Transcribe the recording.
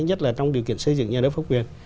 nhất là trong điều kiện xây dựng nhà nước pháp quyền